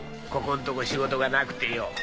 ここんとこ仕事がなくてよ